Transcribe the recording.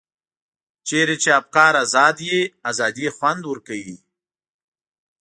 چېرته چې افکار ازاد وي ازادي خوند ورکوي.